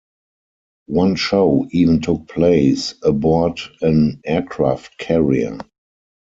One show even took place aboard an aircraft carrier.